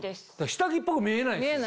下着っぽく見えないですよね。